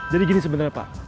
jadi gini sebenarnya pak